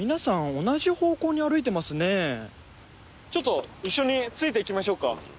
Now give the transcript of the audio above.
ちょっと一緒についていきましょうか。